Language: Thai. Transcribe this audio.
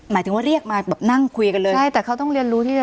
หมายถึงว่าเรียกมาแบบนั่งคุยกันเลยใช่แต่เขาต้องเรียนรู้ที่จะ